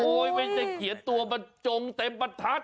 โอ้ยไม่ใช่เขียนตัวมันจงเต็มประทัด